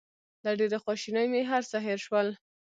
له ډېرې خواشینۍ مې هر څه هېر شول.